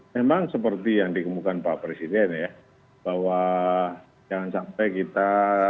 memang seperti yang dikemukan pak presiden ya bahwa jangan sampai kita